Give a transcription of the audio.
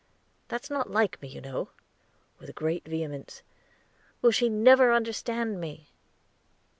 That's not like me, you know," with great vehemence. "Will she never understand me?"